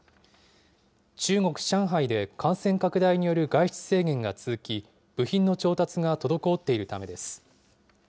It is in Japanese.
中国・上海で感染拡大による外出制限が続き、部品の調達が滞っているためです。